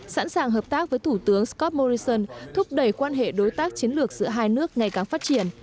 sẵn sàng hợp tác với thủ tướng scott morrison thúc đẩy quan hệ đối tác chiến lược giữa hai nước ngày càng phát triển